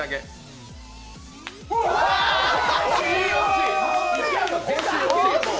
惜しい！